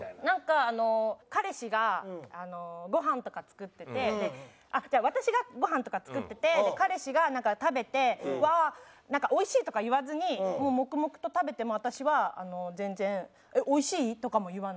なんか彼氏がごはんとか作っててあっ私がごはんとか作ってて彼氏がなんか食べてなんか「おいしい」とか言わずにもう黙々と食べても私は全然「おいしい？」とかも言わない。